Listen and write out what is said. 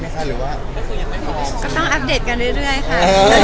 ก็ต้องอัปเดตกันเรื่อยค่ะ